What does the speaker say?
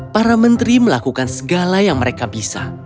para menteri melakukan segala yang mereka bisa